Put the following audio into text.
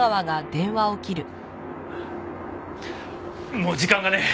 もう時間がねえ！